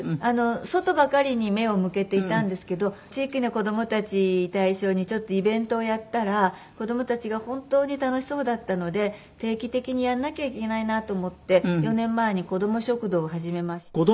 外ばかりに目を向けていたんですけど地域の子供たち対象にちょっとイベントをやったら子供たちが本当に楽しそうだったので定期的にやらなきゃいけないなと思って４年前に子ども食堂を始めまして。